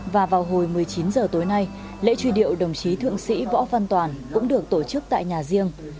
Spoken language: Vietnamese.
và vào hồi một mươi chín h tối nay lễ truy điệu đồng chí thượng sĩ võ văn toàn cũng được tổ chức tại nhà riêng